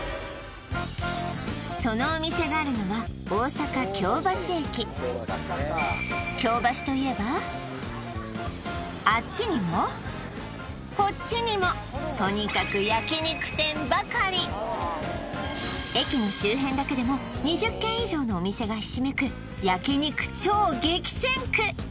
そのお店があるのは大阪京橋駅あっちにもこっちにもとにかく駅の周辺だけでも２０軒以上のお店がひしめく焼肉超激戦区！